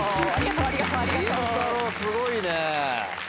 りんたろうすごいね。